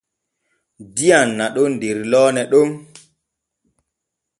Diyam naɗon der loone ɗon.